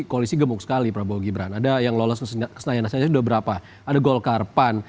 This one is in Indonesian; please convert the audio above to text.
koalisi gemuk sekali prabowo gibrang ada yang lolos ke senayan nasionalis sudah berapa ada golkarpan